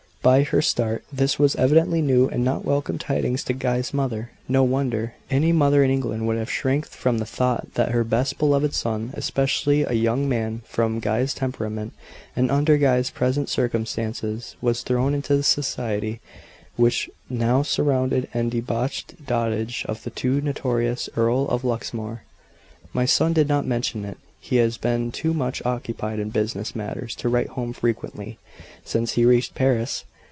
By her start, this was evidently new and not welcome tidings to Guy's mother. No wonder. Any mother in England would have shrank from the thought that her best beloved son especially a young man of Guy's temperament, and under Guy's present circumstances was thrown into the society which now surrounded the debauched dotage of the too notorious Earl of Luxmore. "My son did not mention it. He has been too much occupied in business matters to write home frequently, since he reached Paris.